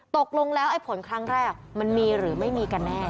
ตกลงแล้วไอ้ผลครั้งแรกมันมีหรือไม่มีกันแน่